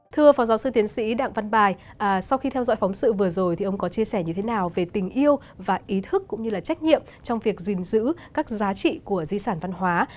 thưa phó giáo sư tiến sĩ đặng văn bài sau khi theo dõi phóng sự vừa rồi thì ông có chia sẻ như thế nào về tình yêu và ý thức cũng như là trách nhiệm trong việc gìn giữ các giá trị của di sản văn hóa